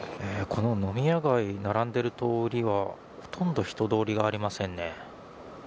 この飲み屋街並んでいる通りはほとんど人通りがありませんね。